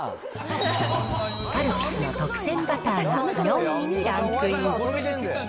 カルピスの特撰バターが４位にランクイン。